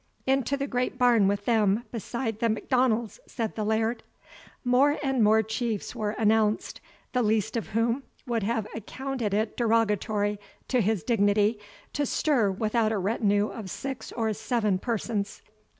"Into the great barn with them beside the M'Donalds," said the Laird. More and more chiefs were announced, the least of whom would have accounted it derogatory to his dignity to stir without a retinue of six or seven persons.